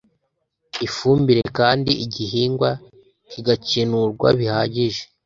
ifumbire kandi igihingwa kigakenurwa bihagije